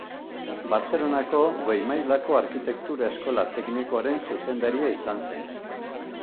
Bartzelonako Goi Mailako Arkitektura Eskola Teknikoaren zuzendaria izan zen.